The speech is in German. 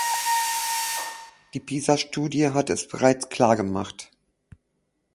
Die Pisa-Studie hat es bereits klar gemacht.